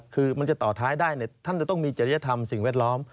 คือมันจะต่อท้ายได้ท่านจะต้องมีจริยธรรมสิ่งแวดล้อม